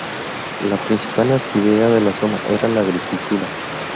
La principal actividad de la zona era la agricultura.